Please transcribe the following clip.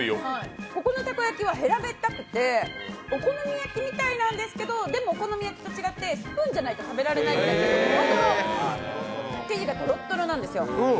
ここのたこ焼きは平べったくてお好み焼きみたいなんですけどでも、お好み焼きと違って、スプーンじゃないと食べられないぐらい生地がとろとろなんですよ。